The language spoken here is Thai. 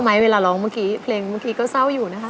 เจ้าไหมเวลาร้องเมื่อกี้เพลงเมื่อกี้ก็เจ้าอยู่นะครับ